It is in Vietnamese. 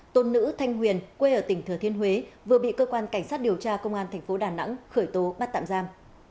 tôn nữ thanh huyền quê ở tỉnh thừa thiên huế vừa bị cơ quan cảnh sát điều tra công an tp đà nẵng khởi tố bắt tạm giam